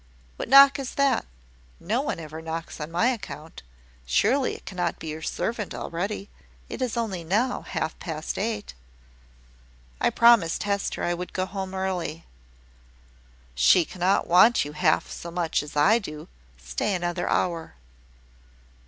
What knock is that? No one ever knocks on my account. Surely it cannot be your servant already. It is only now half past eight." "I promised Hester I would go home early." "She cannot want you half so much as I do. Stay another hour."